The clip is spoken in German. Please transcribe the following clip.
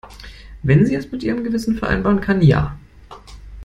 Wenn sie es mit ihrem Gewissen vereinbaren kann, ja.